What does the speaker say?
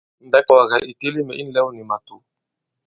Mbɛ̌ ì kɔ̀gɛ̀ ì teli mɛ̀ i ǹlɛw nì màtǔ.